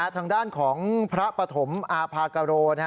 ทางด้านของพระปฐมอาภากโร